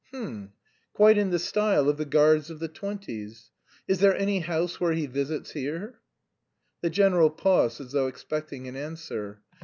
H'm! Quite in the style of the guards of the twenties. Is there any house where he visits here?" The general paused as though expecting an answer.